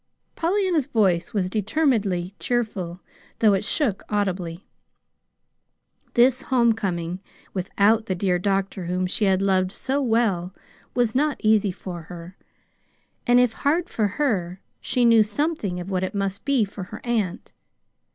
Pollyanna's voice was determinedly cheerful, though it shook audibly. This home coming without the dear doctor whom she had loved so well was not easy for her; and if hard for her, she knew something of what it must be for her aunt.